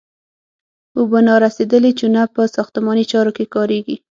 اوبه نارسیدلې چونه په ساختماني چارو کې کاریږي.